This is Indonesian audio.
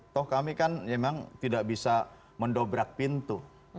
toh kami kan memang tidak bisa mendobrak pintu